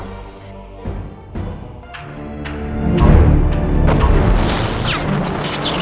jangan seduh topeng itu